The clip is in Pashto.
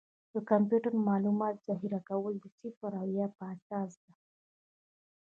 د کمپیوټر د معلوماتو ذخیره کول د صفر او یو په اساس ده.